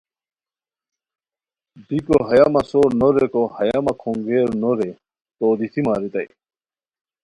بیکو یہ مہ سور نو ریکو ہیہ مہ کھونگیر نو رے تو دیتی ماریتائے